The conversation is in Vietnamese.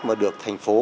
mà được thành phố